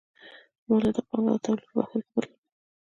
مولده پانګه د تولید په بهیر کې بدلون مومي